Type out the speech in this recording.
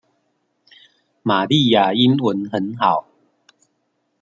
瑪麗亞英文很好